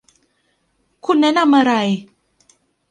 คุณแนะนำอะไร